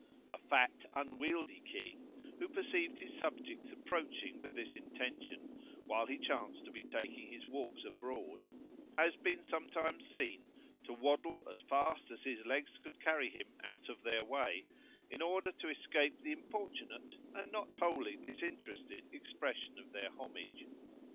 A fat unwieldy king, who perceived his subjects approaching with this intention, while he chanced to be taking his walks abroad, has been sometimes seen to waddle as fast as his legs could carry him out of their way, in order to escape the importunate and not wholly disinterested expression of their homage.